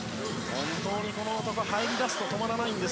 本当に、この男入りだすと止まらないんです。